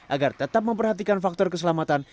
agar tetap memperhatikan faktor keselamatan